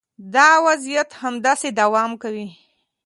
دا وضعیت همداسې دوام کوي.